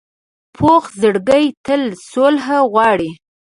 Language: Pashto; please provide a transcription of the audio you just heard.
پوخ زړګی تل صلح غواړي